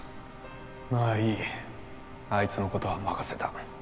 まあいいあいつのことは任せた